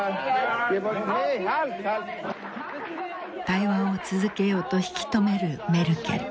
対話を続けようと引き止めるメルケル。